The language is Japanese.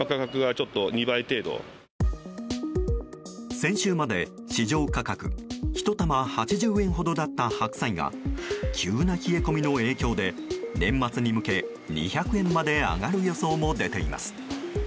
先週まで市場価格１玉８０円ほどだった白菜が急な冷え込みの影響で年末に向け２００円まで上がる予想も出ています。